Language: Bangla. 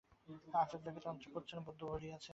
আচার্যকে তন্ত্রে প্রচ্ছন্ন বৌদ্ধ বলিয়াছে।